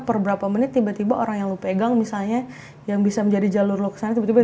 per berapa menit tiba tiba orang yang lu pegang misalnya yang bisa menjadi jalur lok sana tiba tiba